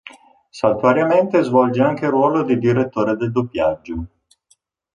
Saltuariamente svolge anche il ruolo di direttore del doppiaggio.